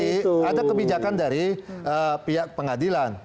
itu nanti ada kebijakan dari pihak pengadilan